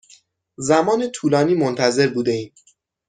زمان طولانی منتظر بوده ایم.